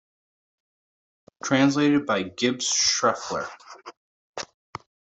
Translated by Gibb Schreffler.